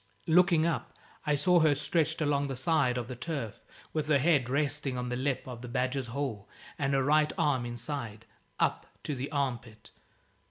Looking up, I saw her stretched along the side of the turf, with her head resting on the lip of the badger's hole and her right arm inside, up to the arm pit.